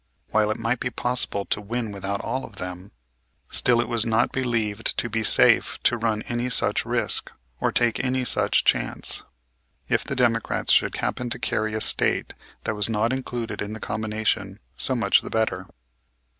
While it might be possible to win without all of them, still it was not believed to be safe to run any such risk, or take any such chance. If the Democrats should happen to carry a state that was not included in the combination, so much the better.